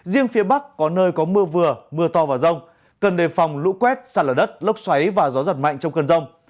riêng phía bắc có nơi có mưa vừa mưa to và rông cần đề phòng lũ quét sạt lở đất lốc xoáy và gió giật mạnh trong cơn rông